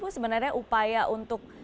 bu sebenarnya upaya untuk